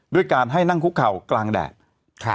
ด้วยการให้นั่งคุกเข่ากลางแดด